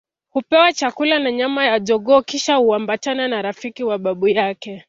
Hupewa chakula na nyama ya jogoo kisha huambatana na rafiki wa babu yake